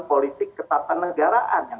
politik ketatanegaraan yang